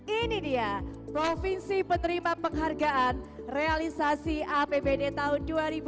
ini dia provinsi penerima penghargaan realisasi apbd tahun dua ribu dua puluh